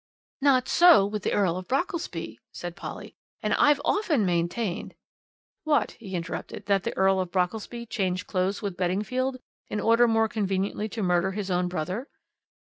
"Not so with the Earl of Brockelsby," said Polly, "and I've often maintained " "What?" he interrupted. "That the Earl of Brockelsby changed clothes with Beddingfield in order more conveniently to murder his own brother?